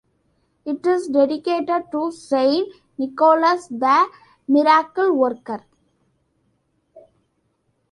It is dedicated to Saint Nicholas the Miracle-Worker.